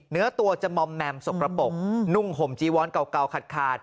เนื้อตัวจะมอมแมมสกกระปกนุ่งห่มจีวอนเก่าขาด